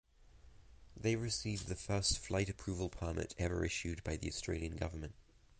They received the first flight approval permit ever issued by the Australian government.